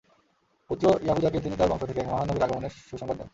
পুত্র ইয়াহুযাকে তিনি তাঁর বংশ থেকে এক মহান নবীর আগমনের সু-সংবাদ দেন।